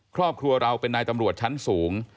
ครอบครัวเราเป็นนายตำรวจชั้นสูง